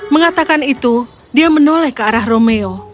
mengatakan itu dia menoleh ke arah romeo